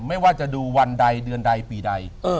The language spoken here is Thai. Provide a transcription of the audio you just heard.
ไม่ว่าจะดูวันใดเดือนใดปีใด